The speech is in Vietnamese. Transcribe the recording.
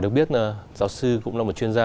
được biết giáo sư cũng là một chuyên gia